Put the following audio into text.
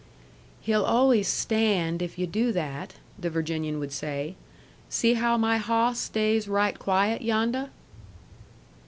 "He'll always stand if yu' do that," the Virginian would say. "See how my hawss stays right quiet yondeh."